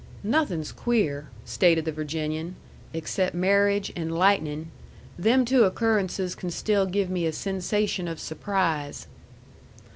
"Nothing's queer," stated the Virginian, "except marriage and lightning. Them two occurrences can still give me a sensation of surprise."